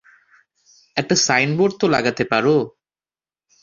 একটা সাইনবোর্ড তো লাগাতে পারো।